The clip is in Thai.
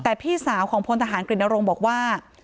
แต่พี่สาวของพลทหารกฤตนรงค์บอกว่า